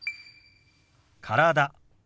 「体」。